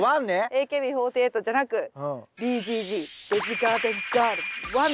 ＡＫＢ４８じゃなくベジガーデンガール１で。